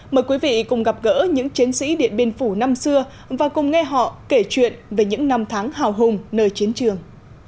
mời quý vị cùng gặp gỡ những chiến sĩ điện biên phủ năm xưa và cùng nghe họ kể chuyện về những năm tháng hào hùng nơi chiến trường